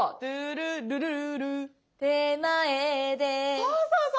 そうそうそう。